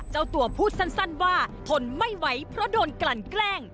เจ้าตัวพูดสั้นว่าทนไม่ไหวเพราะโดนกลั่นแกล้ง